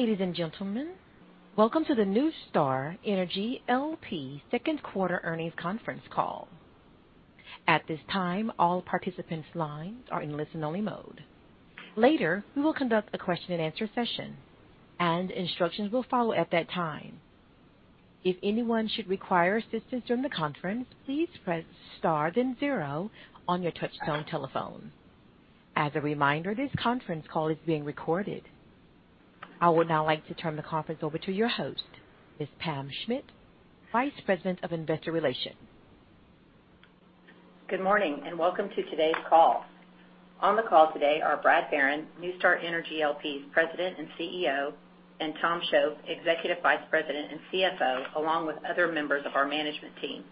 Ladies and gentlemen, welcome to the NuStar Energy L.P. second quarter earnings conference call. At this time, all participants' lines are in listen-only mode. Later, we will conduct a question and answer session, and instructions will follow at that time. If anyone should require assistance during the conference, please press star then zero on your touch-tone telephone. As a reminder, this conference call is being recorded. I would now like to turn the conference over to your host, Ms. Pam Schmidt, Vice President of Investor Relations. Good morning, and welcome to today's call. On the call today are Brad Barron, NuStar Energy L.P.'s President and CEO, and Tom Shoaf, Executive Vice President and CFO, along with other members of our management team.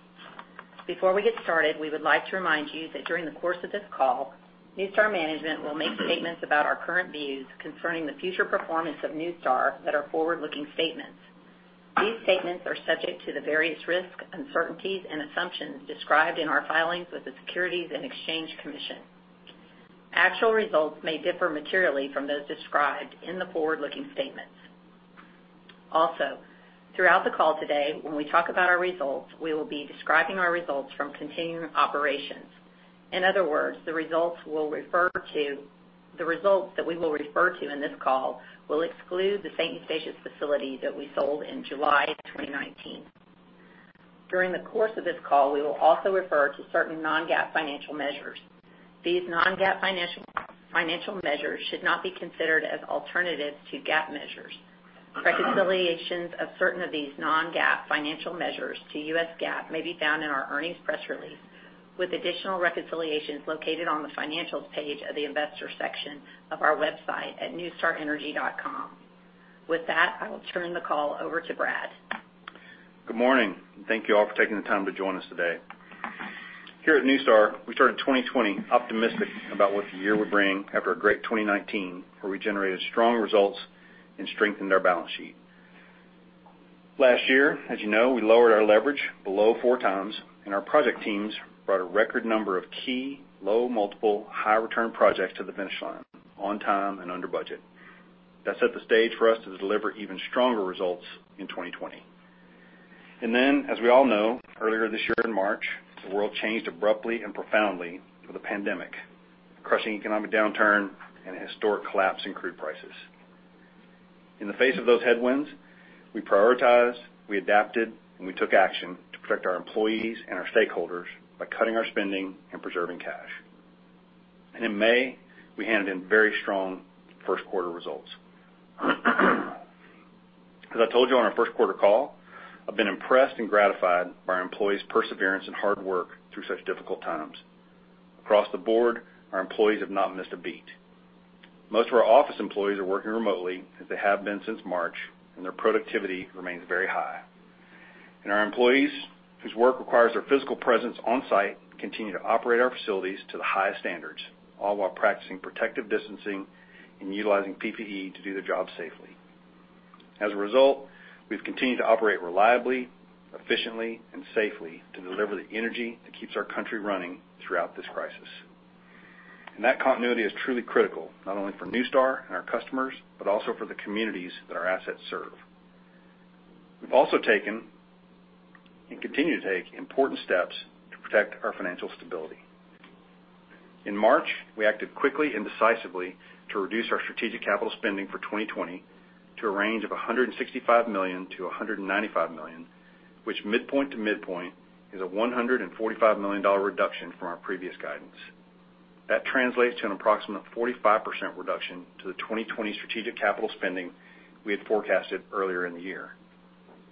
Before we get started, we would like to remind you that during the course of this call, NuStar management will make statements about our current views concerning the future performance of NuStar that are forward-looking statements. These statements are subject to the various risks, uncertainties, and assumptions described in our filings with the Securities and Exchange Commission. Actual results may differ materially from those described in the forward-looking statements. Also, throughout the call today, when we talk about our results, we will be describing our results from continuing operations. In other words, the results that we will refer to in this call will exclude the St. Eustatius facility that we sold in July 2019. During the course of this call, we will also refer to certain non-GAAP financial measures. These non-GAAP financial measures should not be considered as alternatives to GAAP measures. Reconciliations of certain of these non-GAAP financial measures to US GAAP may be found in our earnings press release, with additional reconciliations located on the financials page of the investor section of our website at nustarenergy.com. With that, I will turn the call over to Brad. Good morning, thank you all for taking the time to join us today. Here at NuStar, we started 2020 optimistic about what the year would bring after a great 2019, where we generated strong results and strengthened our balance sheet. Last year, as you know, we lowered our leverage below 4x, and our project teams brought a record number of key low-multiple, high-return projects to the finish line on time and under budget. That set the stage for us to deliver even stronger results in 2020. As we all know, earlier this year in March, the world changed abruptly and profoundly with the pandemic, a crushing economic downturn, and a historic collapse in crude prices. In the face of those headwinds, we prioritized, we adapted, and we took action to protect our employees and our stakeholders by cutting our spending and preserving cash. In May, we handed in very strong first quarter results. As I told you on our first quarter call, I've been impressed and gratified by our employees' perseverance and hard work through such difficult times. Across the board, our employees have not missed a beat. Most of our office employees are working remotely, as they have been since March, and their productivity remains very high. Our employees whose work requires their physical presence on-site continue to operate our facilities to the highest standards, all while practicing protective distancing and utilizing PPE to do their job safely. As a result, we've continued to operate reliably, efficiently, and safely to deliver the energy that keeps our country running throughout this crisis. That continuity is truly critical, not only for NuStar and our customers, but also for the communities that our assets serve. We've also taken, and continue to take, important steps to protect our financial stability. In March, we acted quickly and decisively to reduce our strategic capital spending for 2020 to a range of $165 million-$195 million, which midpoint to midpoint is a $145 million reduction from our previous guidance. That translates to an approximate 45% reduction to the 2020 strategic capital spending we had forecasted earlier in the year.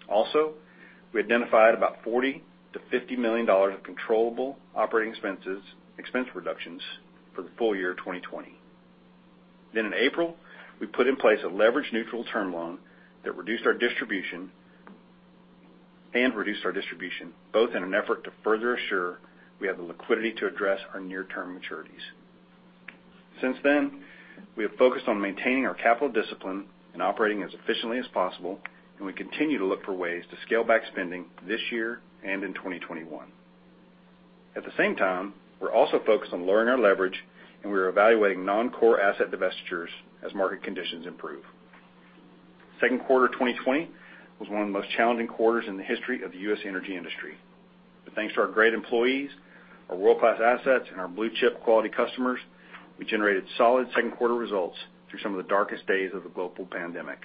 Also, we identified about $40 million-$50 million of controllable operating expense reductions for the full year 2020. In April, we put in place a leverage-neutral term loan and reduced our distribution, both in an effort to further assure we have the liquidity to address our near-term maturities. Since then, we have focused on maintaining our capital discipline and operating as efficiently as possible, and we continue to look for ways to scale back spending this year and in 2021. At the same time, we're also focused on lowering our leverage, and we are evaluating non-core asset divestitures as market conditions improve. Second quarter 2020 was one of the most challenging quarters in the history of the U.S. energy industry. Thanks to our great employees, our world-class assets, and our blue-chip quality customers, we generated solid second quarter results through some of the darkest days of the global pandemic.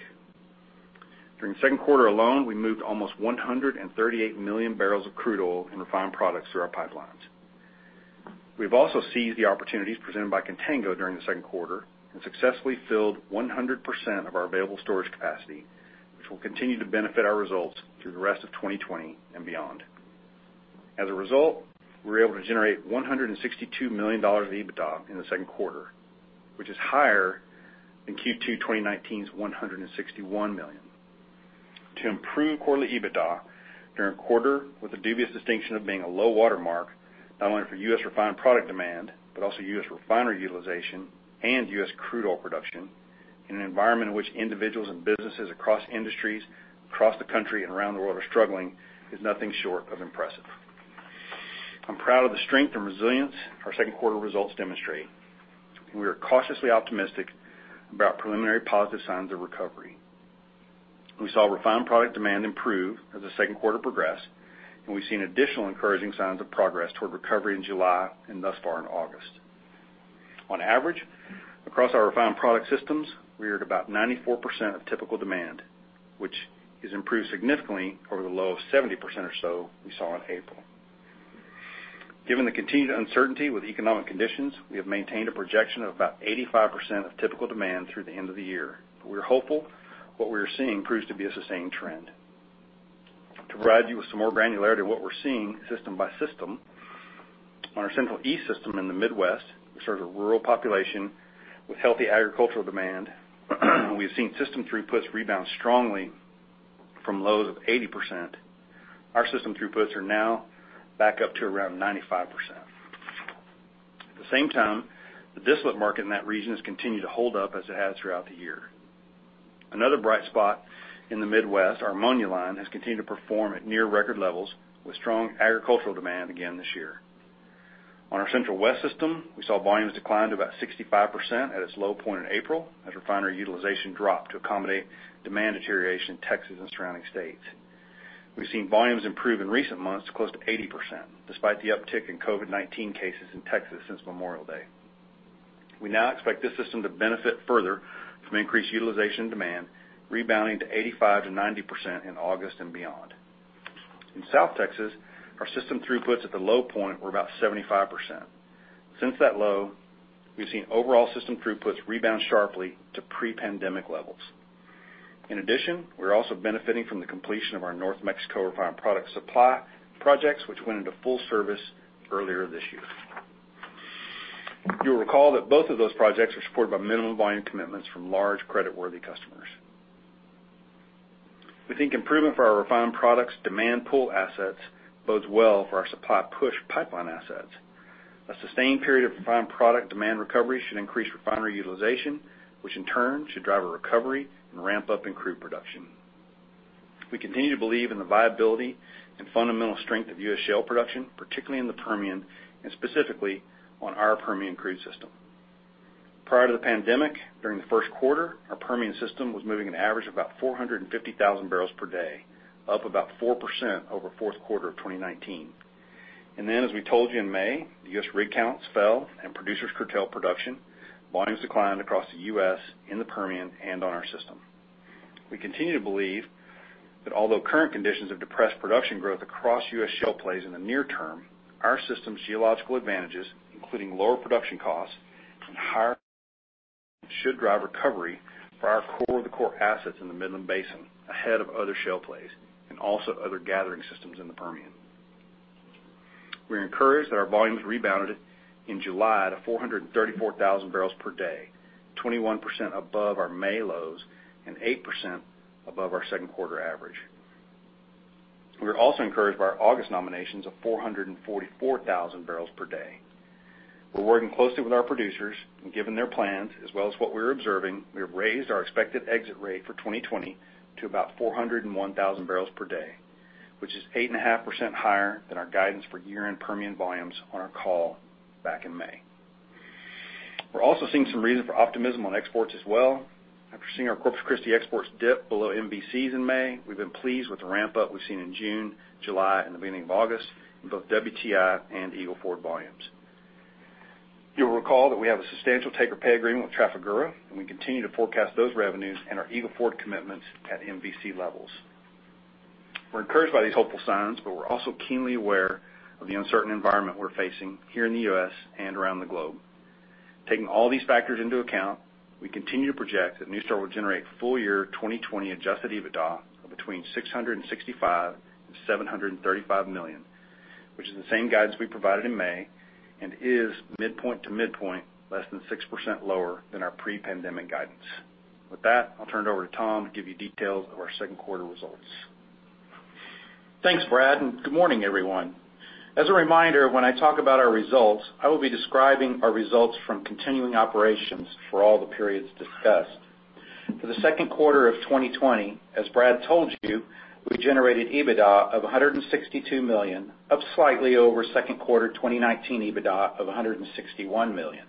During the second quarter alone, we moved almost 138 million barrels of crude oil and refined products through our pipelines. We've also seized the opportunities presented by contango during the second quarter and successfully filled 100% of our available storage capacity, which will continue to benefit our results through the rest of 2020 and beyond. As a result, we were able to generate $162 million of EBITDA in the second quarter, which is higher than Q2 2019's $161 million. To improve quarterly EBITDA during a quarter with the dubious distinction of being a low-water mark, not only for U.S. refined product demand, but also U.S. refinery utilization and U.S. crude oil production, in an environment in which individuals and businesses across industries across the country and around the world are struggling, is nothing short of impressive. I'm proud of the strength and resilience our second quarter results demonstrate. We are cautiously optimistic about preliminary positive signs of recovery. We saw refined product demand improve as the second quarter progressed, and we've seen additional encouraging signs of progress toward recovery in July and thus far in August. On average, across our refined product systems, we are at about 94% of typical demand, which has improved significantly over the low of 70% or so we saw in April. Given the continued uncertainty with economic conditions, we have maintained a projection of about 85% of typical demand through the end of the year. We are hopeful, what we are seeing proves to be a sustained trend. To provide you with some more granularity of what we're seeing system by system, on our Central East System in the Midwest, which serves a rural population with healthy agricultural demand, we've seen system throughputs rebound strongly from lows of 80%. Our system throughputs are now back up to around 95%. At the same time, the distillate market in that region has continued to hold up as it has throughout the year. Another bright spot in the Midwest, our ammonia line, has continued to perform at near record levels with strong agricultural demand again this year. On our Central West System, we saw volumes decline to about 65% at its low point in April as refinery utilization dropped to accommodate demand deterioration in Texas and surrounding states. We've seen volumes improve in recent months to close to 80%, despite the uptick in COVID-19 cases in Texas since Memorial Day. We now expect this system to benefit further from increased utilization demand, rebounding to 85%-90% in August and beyond. In South Texas, our system throughputs at the low point were about 75%. Since that low, we've seen overall system throughputs rebound sharply to pre-pandemic levels. In addition, we're also benefiting from the completion of our North Mexico refined product supply projects, which went into full service earlier this year. You'll recall that both of those projects are supported by minimum volume commitments from large creditworthy customers. We think improvement for our refined products demand pull assets bodes well for our supply push pipeline assets. A sustained period of refined product demand recovery should increase refinery utilization, which in turn should drive a recovery and ramp up in crude production. We continue to believe in the viability and fundamental strength of U.S. shale production, particularly in the Permian, and specifically on our Permian Crude System. Prior to the pandemic, during the first quarter, our Permian system was moving an average of about 450,000 bpd, up about 4% over fourth quarter of 2019. As we told you in May, the U.S. rig counts fell and producers curtailed production. Volumes declined across the U.S., in the Permian, and on our system. We continue to believe that although current conditions have depressed production growth across U.S. shale plays in the near term, our system's geological advantages, including lower production costs and should drive recovery for our core of the core assets in the Midland Basin ahead of other shale plays, and also other gathering systems in the Permian. We're encouraged that our volumes rebounded in July to 434,000 bpd, 21% above our May lows and 8% above our second quarter average. We're also encouraged by our August nominations of 444,000 bpd. We're working closely with our producers. Given their plans, as well as what we're observing, we have raised our expected exit rate for 2020 to about 401,000 bpd, which is 8.5% higher than our guidance for year-end Permian volumes on our call back in May. We're also seeing some reason for optimism on exports as well. After seeing our Corpus Christi exports dip below MVCs in May, we've been pleased with the ramp-up we've seen in June, July, and the beginning of August in both WTI and Eagle Ford volumes. You'll recall that we have a substantial take or pay agreement with Trafigura. We continue to forecast those revenues and our Eagle Ford commitments at MVC levels. We're encouraged by these hopeful signs, but we're also keenly aware of the uncertain environment we're facing here in the U.S. and around the globe. Taking all these factors into account, we continue to project that NuStar will generate full-year 2020 adjusted EBITDA of between $665 million and $735 million, which is the same guidance we provided in May and is midpoint-to-midpoint less than 6% lower than our pre-pandemic guidance. With that, I'll turn it over to Tom to give you details of our second quarter results. Thanks, Brad, and good morning, everyone. As a reminder, when I talk about our results, I will be describing our results from continuing operations for all the periods discussed. For the second quarter of 2020, as Brad told you, we generated EBITDA of $162 million, up slightly over second quarter 2019 EBITDA of $161 million.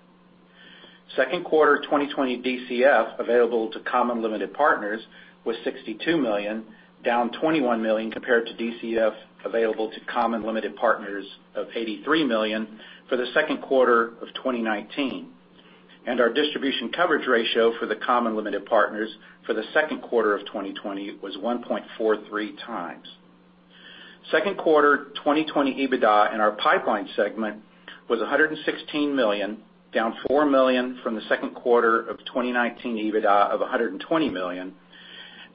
Second quarter 2020 DCF available to common limited partners was $62 million, down $21 million compared to DCF available to common limited partners of $83 million for the second quarter of 2019. Our distribution coverage ratio for the common limited partners for the second quarter of 2020 was 1.43x. Second quarter 2020 EBITDA in our pipeline segment was $116 million, down $4 million from the second quarter of 2019 EBITDA of $120 million,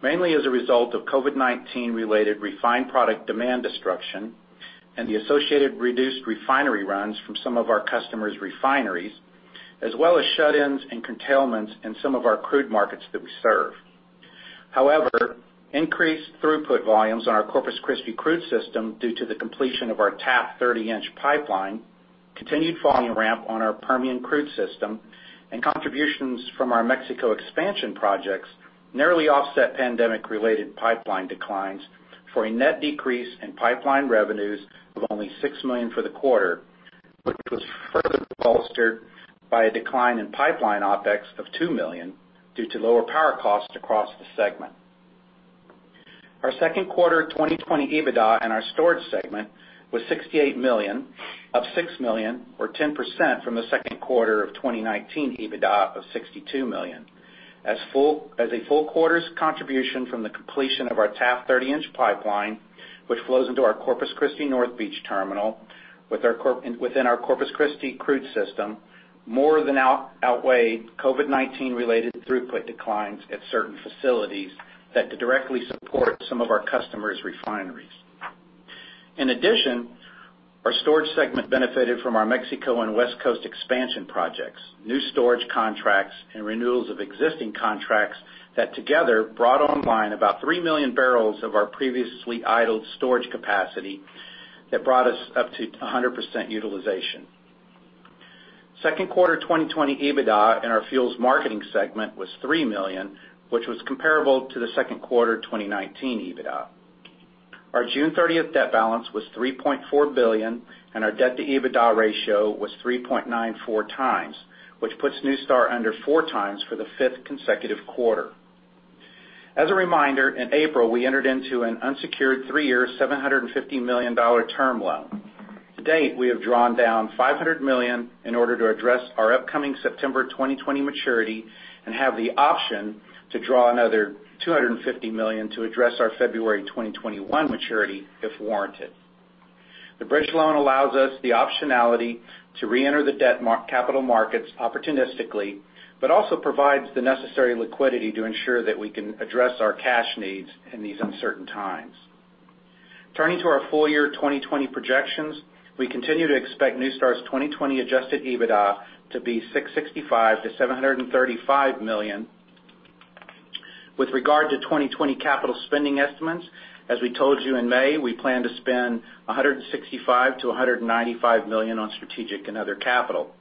mainly as a result of COVID-19 related refined product demand destruction and the associated reduced refinery runs from some of our customers' refineries, as well as shut-ins and curtailments in some of our crude markets that we serve. However, increased throughput volumes on our Corpus Christi Crude System due to the completion of our Taft 30-inch pipeline. Continued volume ramp on our Permian Crude System and contributions from our Mexico expansion projects narrowly offset pandemic-related pipeline declines for a net decrease in pipeline revenues of only $6 million for the quarter, which was further bolstered by a decline in pipeline OpEx of $2 million due to lower power costs across the segment. Our second quarter 2020 EBITDA in our Storage segment was $68 million, up $6 million or 10% from the second quarter of 2019 EBITDA of $62 million. As a full quarter's contribution from the completion of our Taft 30-inch pipeline, which flows into our Corpus Christi North Beach terminal within our Corpus Christi Crude System, more than outweighed COVID-19 related throughput declines at certain facilities that directly support some of our customers' refineries. In addition, our Storage segment benefited from our Mexico and West Coast expansion projects, new storage contracts, and renewals of existing contracts that together brought online about 3 million barrels of our previously idled storage capacity that brought us up to 100% utilization. Second quarter 2020 EBITDA in our fuels marketing segment was $3 million, which was comparable to the second quarter 2019 EBITDA. Our June 30th debt balance was $3.4 billion, and our debt to EBITDA ratio was 3.94x, which puts NuStar under 4x for the fifth consecutive quarter. As a reminder, in April, we entered into an unsecured three-year, $750 million term loan. To date, we have drawn down $500 million in order to address our upcoming September 2020 maturity and have the option to draw another $250 million to address our February 2021 maturity if warranted. The bridge loan allows us the optionality to reenter the capital markets opportunistically, but also provides the necessary liquidity to ensure that we can address our cash needs in these uncertain times. Turning to our full year 2020 projections, we continue to expect NuStar's 2020 adjusted EBITDA to be $665 million-$735 million. With regard to 2020 capital spending estimates, as we told you in May, we plan to spend $165 million-$195 million on strategic and other capital.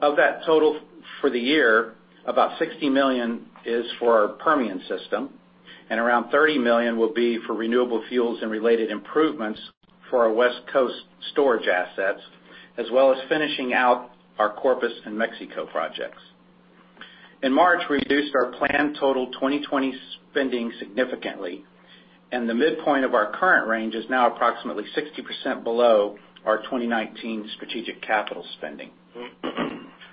Of that total for the year, about $60 million is for our Permian system, and around $30 million will be for renewable fuels and related improvements for our West Coast storage assets, as well as finishing out our Corpus and Mexico projects. In March, we reduced our planned total 2020 spending significantly, and the midpoint of our current range is now approximately 60% below our 2019 strategic capital spending.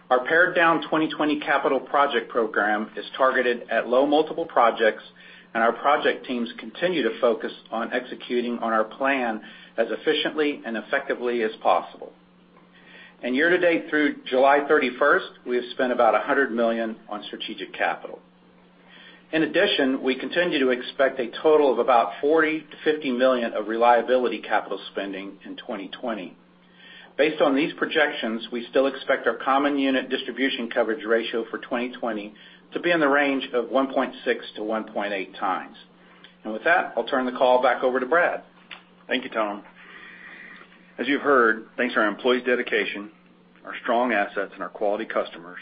Our pared down 2020 capital project program is targeted at low multiple projects, and our project teams continue to focus on executing on our plan as efficiently and effectively as possible. Year-to-date through July 31st, we have spent about $100 million on strategic capital. In addition, we continue to expect a total of about $40 million-$50 million of reliability capital spending in 2020. Based on these projections, we still expect our common unit distribution coverage ratio for 2020 to be in the range of 1.6x-1.8x. With that, I'll turn the call back over to Brad. Thank you, Tom. As you've heard, thanks to our employees' dedication, our strong assets, and our quality customers,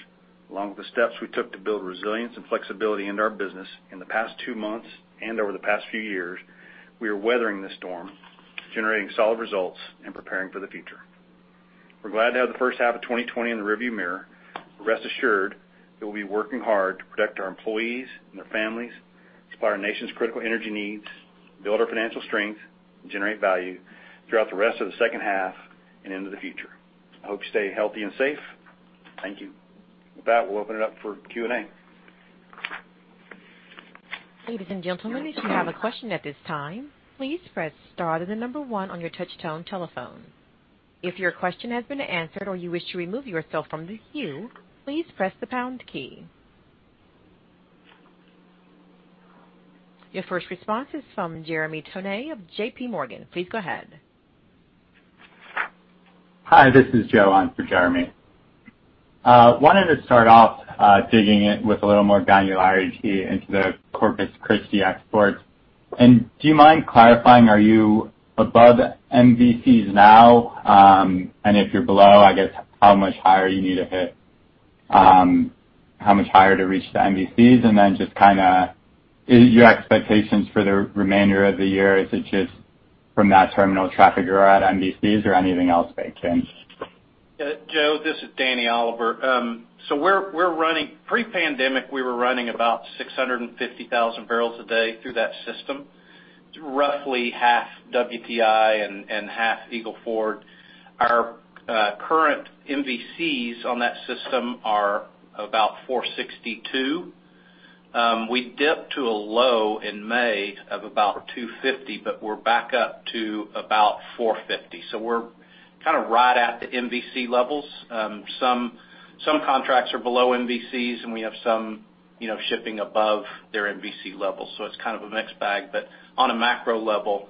along with the steps we took to build resilience and flexibility into our business in the past two months and over the past few years, we are weathering this storm, generating solid results, and preparing for the future. We're glad to have the first half of 2020 in the rearview mirror. Rest assured that we'll be working hard to protect our employees and their families, supply our nation's critical energy needs, build our financial strength, and generate value throughout the rest of the second half and into the future. I hope you stay healthy and safe. Thank you. With that, we'll open it up for Q&A. Ladies and gentlemen, if you have a question at this time, please press star, then the number one on your touch-tone telephone. If your question has been answered or you wish to remove yourself from the queue, please press the pound key. Your first response is from Jeremy Tonet of JPMorgan. Please go ahead. Hi, this is Joe on for Jeremy. Wanted to start off digging in with a little more granularity into the Corpus Christi exports. Do you mind clarifying, are you above MVCs now? If you're below, I guess how much higher you need to hit? How much higher to reach the MVCs? Just your expectations for the remainder of the year. Is it just from that terminal traffic you're at MVCs or anything else by chance? Joe, this is Danny Oliver. Pre-pandemic, we were running about 650,000 bpd through that system, roughly half WTI and half Eagle Ford. Our current MVCs on that system are about 462,000 bpd. We dipped to a low in May of about 250,000 bpd, but were back up to about 450,000 bpd. We're kind of right at the MVC levels. Some contracts are below MVCs, and we have some shipping above their MVC levels. It's kind of a mixed bag, but on a macro level,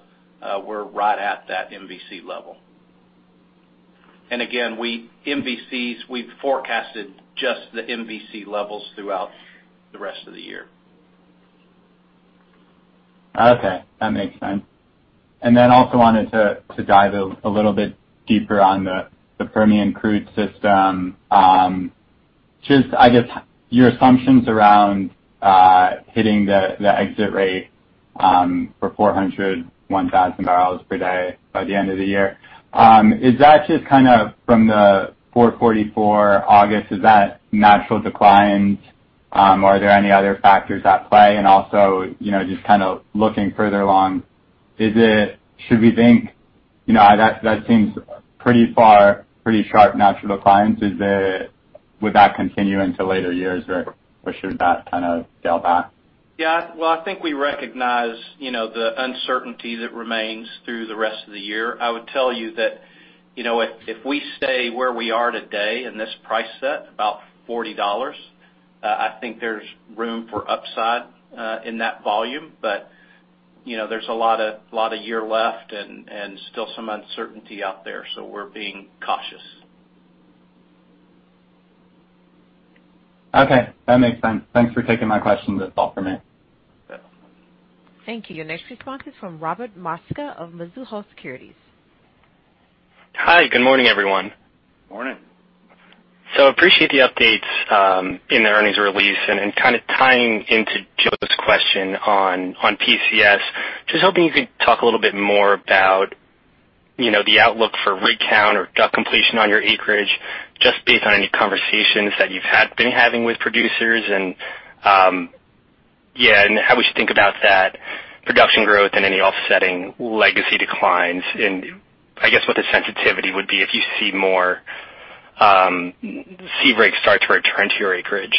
we're right at that MVC level. Again, MVCs, we've forecasted just the MVC levels throughout the rest of the year. Okay, that makes sense. Then also wanted to dive a little bit deeper on the Permian Crude System. Just, I guess, your assumptions around hitting the exit rate for 401,000 bpd by the end of the year. Is that just from the 444,000 bpd, August, is that natural decline? Or are there any other factors at play? Also, just kind of looking further along, that seems pretty far, pretty sharp natural declines. Would that continue into later years or should that kind of tail back? Yeah. Well, I think we recognize the uncertainty that remains through the rest of the year. I would tell you that, if we stay where we are today in this price set, about $40, I think there's room for upside in that volume. There's a lot of year left and still some uncertainty out there, so we're being cautious. Okay, that makes sense. Thanks for taking my questions. That's all from me. Thank you. Your next response is from Robert Mosca of Mizuho Securities. Hi, good morning, everyone. Morning. Appreciate the updates in the earnings release, kind of tying into Joe's question on PCS, just hoping you could talk a little bit more about the outlook for rig count or DUC completion on your acreage, just based on any conversations that you've been having with producers and how we should think about that production growth and any offsetting legacy declines and, I guess, what the sensitivity would be if you see more rig starts return to your acreage?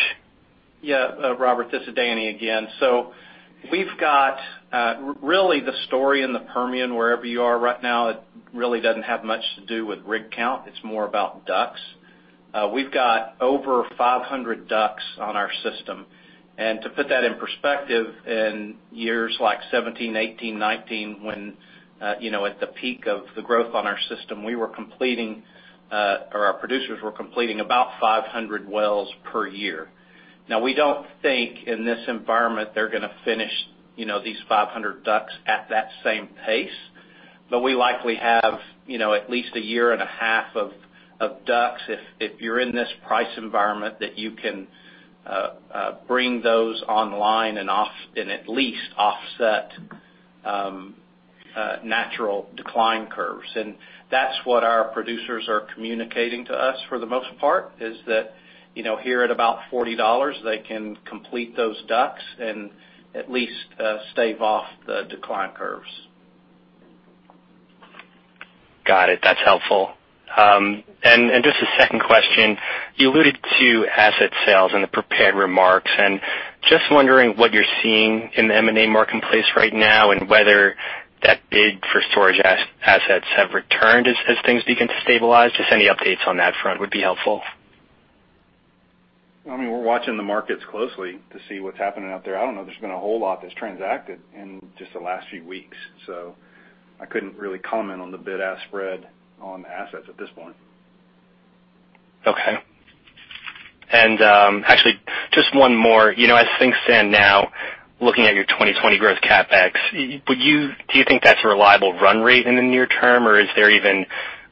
Yeah, Robert, this is Danny again. We've got, really the story in the Permian, wherever you are right now, it really doesn't have much to do with rig count. It's more about DUCs. We've got over 500 DUCs on our system. To put that in perspective, in years like 2017, 2018, 2019, when at the peak of the growth on our system, we were completing, or our producers were completing about 500 wells per year. Now, we don't think in this environment they're going to finish these 500 DUCs at that same pace. We likely have at least a year and a half of DUCs if you're in this price environment that you can bring those online and at least offset natural decline curves. That's what our producers are communicating to us for the most part, is that here at about $40, they can complete those DUCs and at least stave off the decline curves. Got it. That's helpful. Just a second question. You alluded to asset sales in the prepared remarks, and just wondering what you're seeing in the M&A marketplace right now and whether that bid for storage assets have returned as things begin to stabilize? Just any updates on that front would be helpful. I mean, we're watching the markets closely to see what's happening out there. I don't know there's been a whole lot that's transacted in just the last few weeks. I couldn't really comment on the bid-ask spread on assets at this point. Okay. Actually, just one more. As things stand now, looking at your 2020 growth CapEx, do you think that's a reliable run rate in the near term, or is there even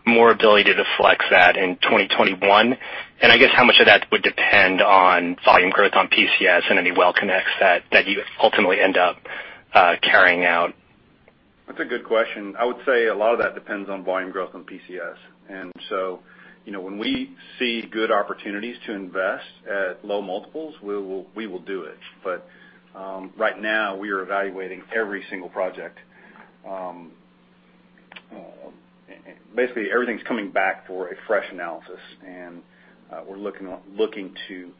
more ability to flex that in 2021? I guess how much of that would depend on volume growth on PCS and any well connects that you ultimately end up carrying out? That's a good question. I would say a lot of that depends on volume growth on PCS. When we see good opportunities to invest at low multiples, we will do it. Right now we are evaluating every single project. Basically, everything's coming back for a fresh analysis, and we're looking to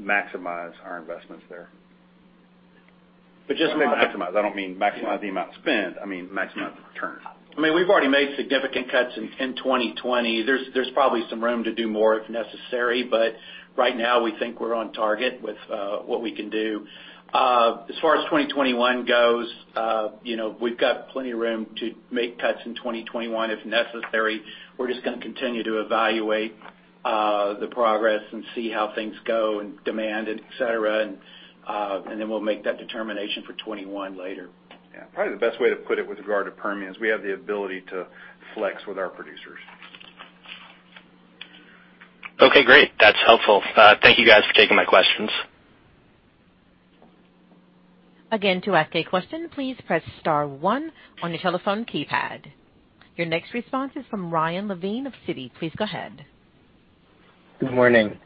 maximize our investments there. Just maybe maximize, I don't mean maximize the amount spent, I mean maximize the return. We've already made significant cuts in 2020. There's probably some room to do more if necessary. Right now we think we're on target with what we can do. As far as 2021 goes, we've got plenty of room to make cuts in 2021 if necessary. We're just going to continue to evaluate the progress and see how things go in demand, et cetera, and then we'll make that determination for 2021 later. Yeah. Probably the best way to put it with regard to Permian is we have the ability to flex with our producers. Okay, great. That's helpful. Thank you guys for taking my questions. Again, to ask a question, please press star one on your telephone keypad. Your next response is from Ryan Levine of Citi. Please go ahead. Good morning.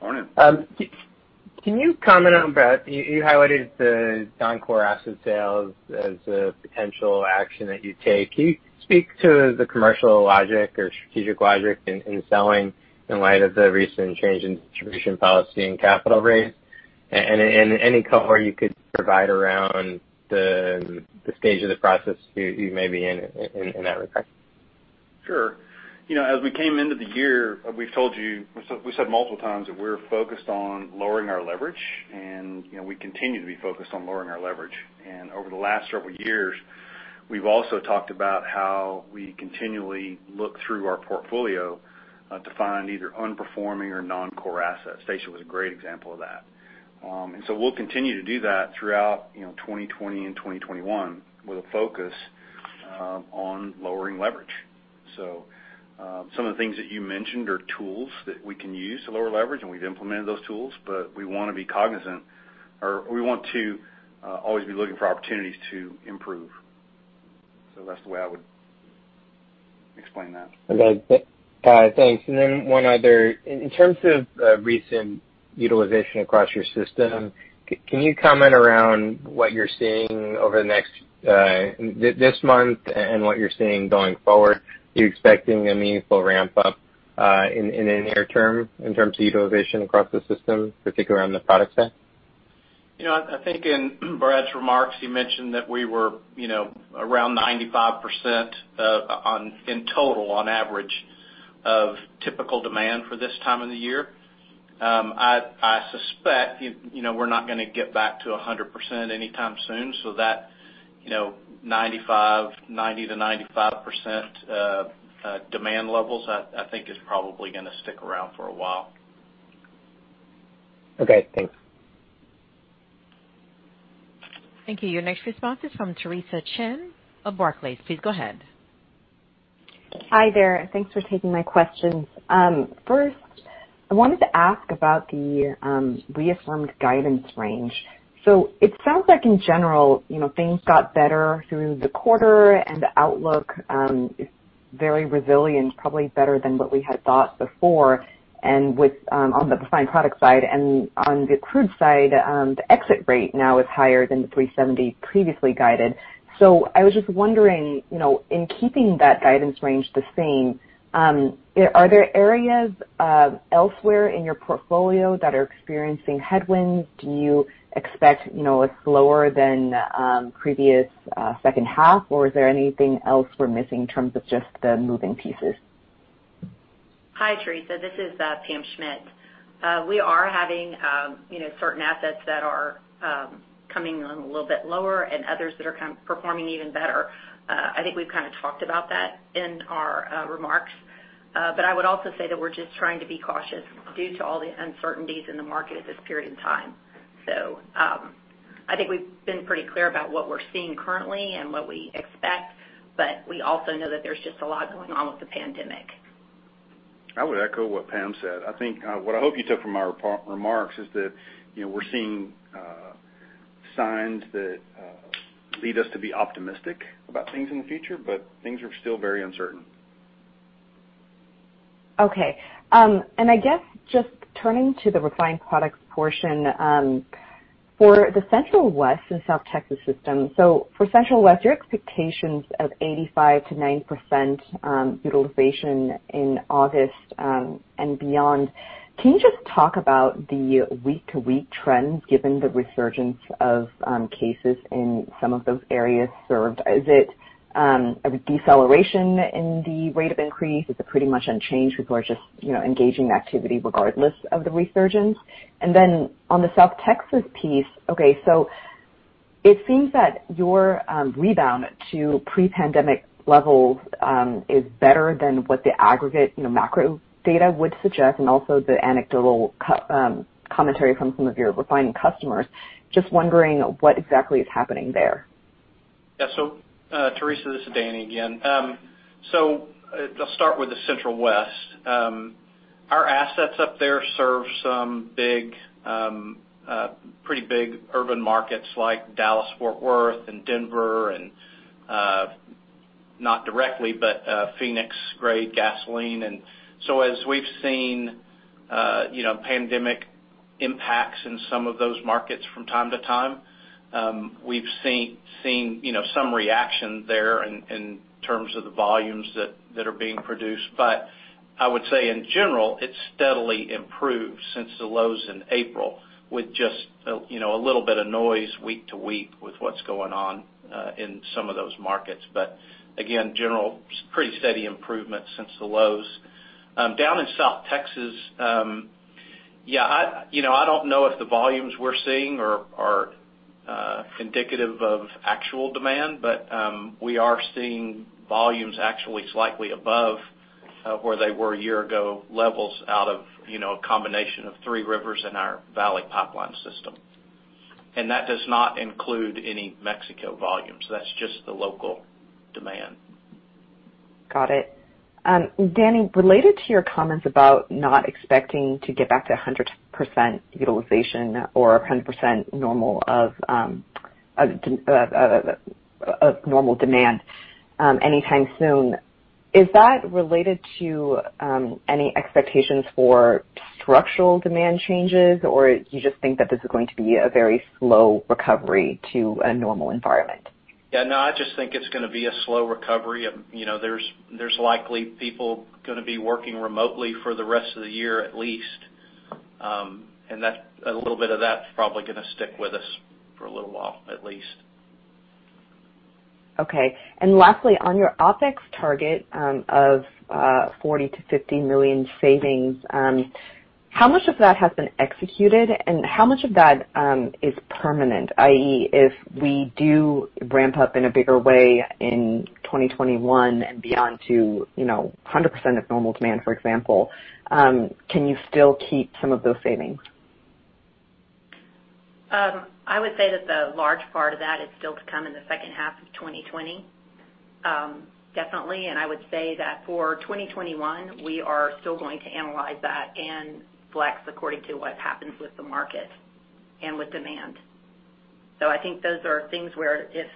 Morning. You highlighted the non-core asset sales as a potential action that you take. Can you speak to the commercial logic or strategic logic in selling in light of the recent change in distribution policy and capital raise? Any color you could provide around the stage of the process you may be in that respect? Sure. As we came into the year, we've told you, we've said multiple times that we're focused on lowering our leverage, and we continue to be focused on lowering our leverage. Over the last several years, we've also talked about how we continually look through our portfolio to find either underperforming or non-core assets. Statia was a great example of that. We'll continue to do that throughout 2020 and 2021 with a focus on lowering leverage. Some of the things that you mentioned are tools that we can use to lower leverage, and we've implemented those tools, but we want to be cognizant, or we want to always be looking for opportunities to improve. That's the way I would explain that. Okay. Got it, thanks. One other. In terms of recent utilization across your system, can you comment around what you're seeing this month and what you're seeing going forward? Are you expecting a meaningful ramp-up in the near term in terms of utilization across the system, particularly around the product set? I think in Brad's remarks, he mentioned that we were around 95% in total on average of typical demand for this time of the year. I suspect we're not going to get back to 100% anytime soon, so that 90%-95% demand levels, I think is probably going to stick around for a while. Okay, thanks. Thank you. Your next response is from Theresa Chen of Barclays. Please go ahead. Hi there. Thanks for taking my questions. I wanted to ask about the reaffirmed guidance range. It sounds like in general, things got better through the quarter and the outlook is very resilient, probably better than what we had thought before on the refined product side. On the crude side, the exit rate now is higher than the 370,000 bpd previously guided. I was just wondering, in keeping that guidance range the same, are there areas elsewhere in your portfolio that are experiencing headwinds? Do you expect a slower than previous second half, or is there anything else we're missing in terms of just the moving pieces? Hi, Theresa. This is Pam Schmidt. We are having certain assets that are coming in a little bit lower and others that are kind of performing even better. I think we've kind of talked about that in our remarks. I would also say that we're just trying to be cautious due to all the uncertainties in the market at this period in time. I think we've been pretty clear about what we're seeing currently and what we expect, but we also know that there's just a lot going on with the pandemic. I would echo what Pam said. I think what I hope you took from our remarks is that we're seeing signs that lead us to be optimistic about things in the future, but things are still very uncertain. Okay. I guess just turning to the refined products portion, for the Central West and South Texas system. For Central West, your expectations of 85%-90% utilization in August and beyond, can you just talk about the week-to-week trends given the resurgence of cases in some of those areas served? Is it a deceleration in the rate of increase? Is it pretty much unchanged because we're just engaging activity regardless of the resurgence? On the South Texas piece, okay, so it seems that your rebound to pre-pandemic levels is better than what the aggregate macro data would suggest, and also the anecdotal commentary from some of your refining customers. Just wondering what exactly is happening there. Theresa, this is Danny again. I'll start with the Central West. Our assets up there serve some pretty big urban markets like Dallas-Fort Worth and Denver, and not directly, but Phoenix grade gasoline. As we've seen pandemic impacts in some of those markets from time to time, we've seen some reaction there in terms of the volumes that are being produced. I would say in general, it's steadily improved since the lows in April with just a little bit of noise week to week with what's going on in some of those markets. Again, general, pretty steady improvement since the lows. Down in South Texas, I don't know if the volumes we're seeing are indicative of actual demand, we are seeing volumes actually slightly above where they were a year ago levels out of a combination of Three Rivers and our Valley Pipeline system. That does not include any Mexico volumes. That's just the local demand. Got it. Danny, related to your comments about not expecting to get back to 100% utilization or 100% normal demand anytime soon, is that related to any expectations for structural demand changes, or you just think that this is going to be a very slow recovery to a normal environment? Yeah, no, I just think it's going to be a slow recovery. There's likely people going to be working remotely for the rest of the year at least. A little bit of that's probably going to stick with us for a little while at least. Okay. Lastly, on your OpEx target of $40 million-$50 million savings, how much of that has been executed, and how much of that is permanent, i.e., if we do ramp up in a bigger way in 2021 and beyond to 100% of normal demand, for example, can you still keep some of those savings? I would say that the large part of that is still to come in the second half of 2020. Definitely. I would say that for 2021, we are still going to analyze that and flex according to what happens with the market and with demand. I think those are things where if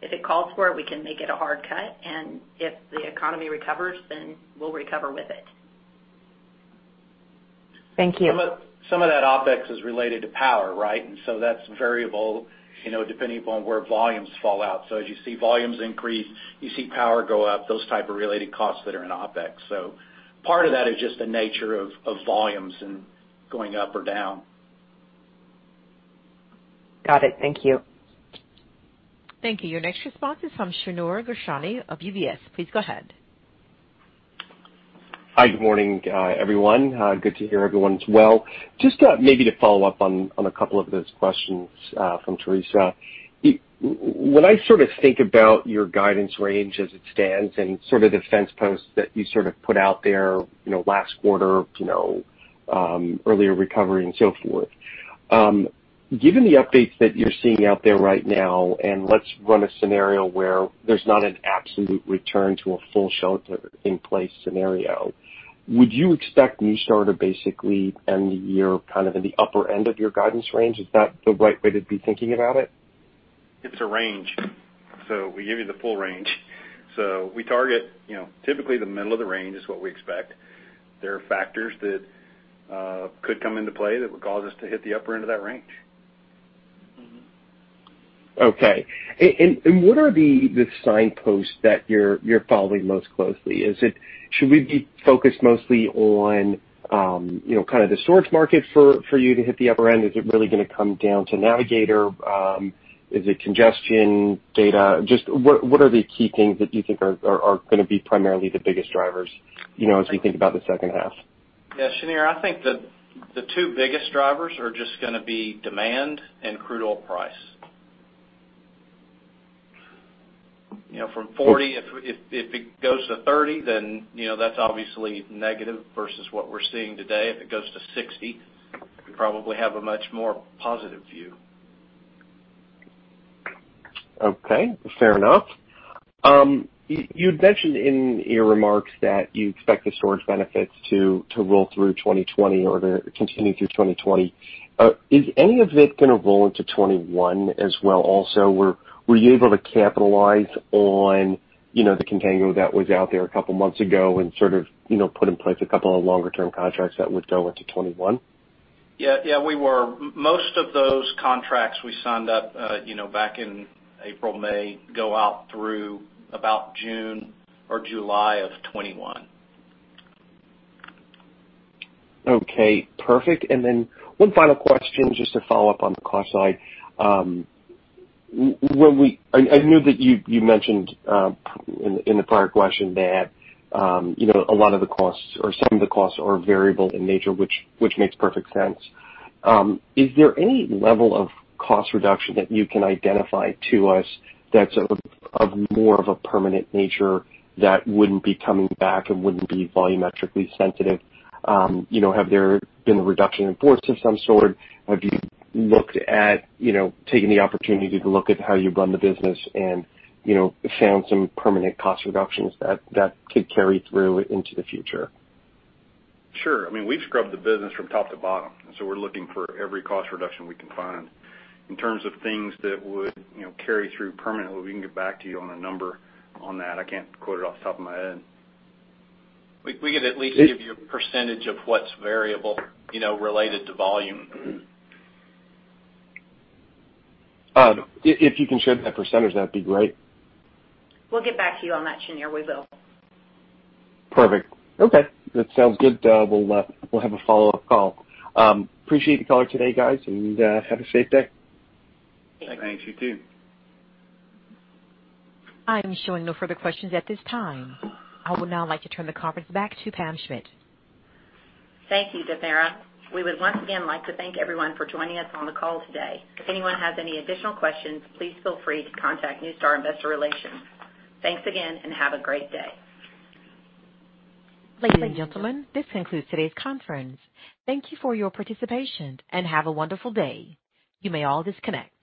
it calls for it, we can make it a hard cut, and if the economy recovers, then we'll recover with it. Thank you. Some of that OpEx is related to power, right? That's variable depending upon where volumes fall out. As you see volumes increase, you see power go up, those type of related costs that are in OpEx. Part of that is just the nature of volumes and going up or down. Got it. Thank you. Thank you. Your next response is from Shneur Gershuni of UBS. Please go ahead. Hi. Good morning, everyone. Good to hear everyone's well. Just maybe to follow up on a couple of those questions from Theresa. When I sort of think about your guidance range as it stands and sort of the fence posts that you sort of put out there last quarter, earlier recovery and so forth. Given the updates that you're seeing out there right now, let's run a scenario where there's not an absolute return to a full shelter in place scenario, would you expect NuStar to basically end the year kind of in the upper end of your guidance range? Is that the right way to be thinking about it? It's a range. We give you the full range. We target typically the middle of the range is what we expect. There are factors that could come into play that would cause us to hit the upper end of that range. Okay. What are the signposts that you're following most closely? Should we be focused mostly on kind of the storage market for you to hit the upper end? Is it really gonna come down to Navigator? Is it congestion data? Just what are the key things that you think are gonna be primarily the biggest drivers as we think about the second half? Yeah. Shneur, I think the two biggest drivers are just gonna be demand and crude oil price. From $40, if it goes to $30, then that's obviously negative versus what we're seeing today. If it goes to $60, we probably have a much more positive view. Okay. Fair enough. You had mentioned in your remarks that you expect the storage benefits to roll through 2020 or to continue through 2020. Is any of it going to roll into 2021 as well also? Were you able to capitalize on the contango that was out there a couple months ago and sort of put in place a couple of longer-term contracts that would go into 2021? Yeah. Most of those contracts we signed up back in April, May, go out through about June or July of 2021. Okay, perfect. One final question just to follow up on the cost side. I know that you mentioned in the prior question that a lot of the costs or some of the costs are variable in nature, which makes perfect sense. Is there any level of cost reduction that you can identify to us that's of more of a permanent nature that wouldn't be coming back and wouldn't be volumetrically sensitive? Have there been a reduction in force of some sort? Have you looked at taking the opportunity to look at how you've run the business and found some permanent cost reductions that could carry through into the future? Sure. I mean, we've scrubbed the business from top to bottom. We're looking for every cost reduction we can find. In terms of things that would carry through permanently, we can get back to you on a number on that. I can't quote it off the top of my head. We could at least give you a percentage of what's variable, related to volume. If you can share that percentage, that'd be great. We'll get back to you on that, Shneur. We will. Perfect. Okay. That sounds good. We'll have a follow-up call. Appreciate the call today, guys, and have a safe day. Thanks. You too. I'm showing no further questions at this time. I would now like to turn the conference back to Pam Schmidt. Thank you, Damara. We would once again like to thank everyone for joining us on the call today. If anyone has any additional questions, please feel free to contact NuStar Investor Relations. Thanks again, and have a great day. Ladies and gentlemen, this concludes today's conference. Thank you for your participation, and have a wonderful day. You may all disconnect.